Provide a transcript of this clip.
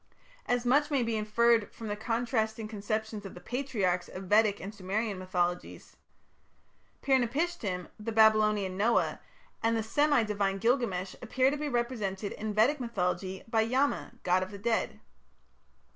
As much may be inferred from the contrasting conceptions of the Patriarchs of Vedic and Sumerian mythologies. Pir napishtim, the Babylonian Noah, and the semi divine Gilgamesh appear to be represented in Vedic mythology by Yama, god of the dead.